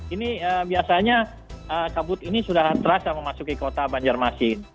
ini biasanya kabut ini sudah terasa memasuki kota banjarmasin